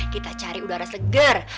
kita cari udara seger